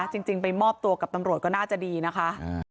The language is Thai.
จริงไปมอบตัวกับตำรวจก็น่าจะดีนะคะ